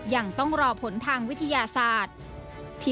ยังต้องรอผลทางวิทยาศาสตร์